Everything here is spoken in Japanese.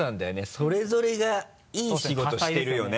それぞれがいい仕事してるよね。